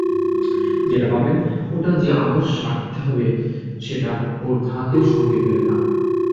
যেটা পাবেন সেটা যে আবার রাখতে হবে এটা ওঁর ধাতের সঙ্গে মেলে না।